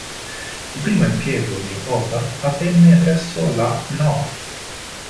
Il primo impiego dei Botha avvenne presso la "No.